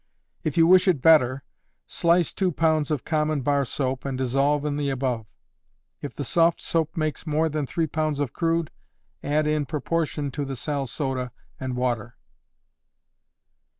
If you wish it better, slice two pounds of common bar soap and dissolve in the above. If the soft soap makes more than three pounds of crude, add in proportion to the sal soda and water.